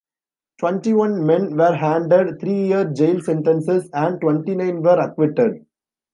Twenty-one men were handed three-year jail sentences and twenty-nine were acquitted.